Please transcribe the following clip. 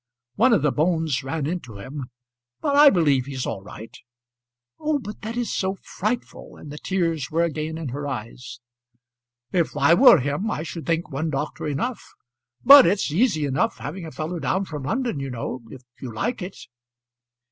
One of the bones ran into him, but I believe he's all right." "Oh, but that is so frightful!" and the tears were again in her eyes. "If I were him I should think one doctor enough. But it's easy enough having a fellow down from London, you know, if you like it."